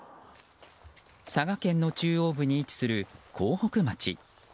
佐賀県の中央部に位置する江北町。